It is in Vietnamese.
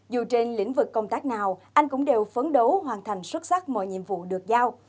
dù trên lĩnh vực công tác nào anh cũng đều phấn đấu hoàn thành xuất sắc mọi nhiệm vụ được giao